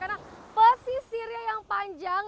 karena posisi dia yang panjang